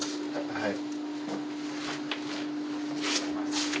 はい。